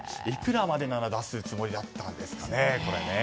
いくらまでなら出すつもりだったんですかね。